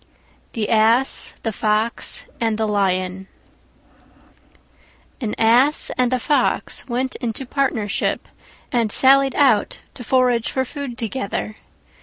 THE ASS, THE FOX, AND THE LION An Ass and a Fox went into partnership and sallied out to forage for food together.